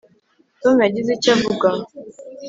tom yagize icyo avuga